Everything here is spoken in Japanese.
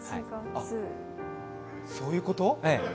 あっ、そういうこと？